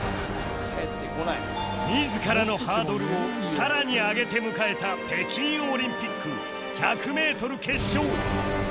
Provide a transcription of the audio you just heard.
自らのハードルをさらに上げて迎えた北京オリンピック１００メートル決勝